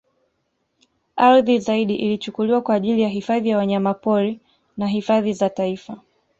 Ardhi zaidi ilichukuliwa kwa ajili ya hifadhi ya wanyamapori na hifadhi za taifa